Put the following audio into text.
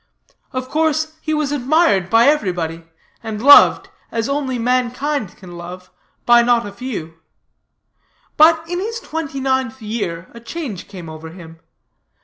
Of course, he was admired by everybody, and loved, as only mankind can love, by not a few. But in his twenty ninth year a change came over him.